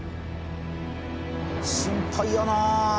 心配やなあ。